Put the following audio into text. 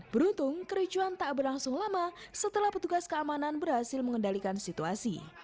beruntung kericuan tak berlangsung lama setelah petugas keamanan berhasil mengendalikan situasi